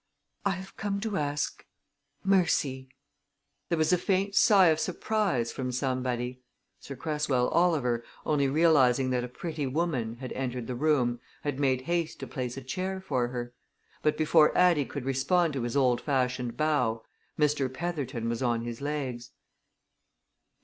"I have come to ask mercy!" There was a faint sigh of surprise from somebody. Sir Cresswell Oliver, only realizing that a pretty woman, had entered the room, made haste to place a chair for her. But before Addie could respond to his old fashioned bow, Mr. Petherton was on his legs.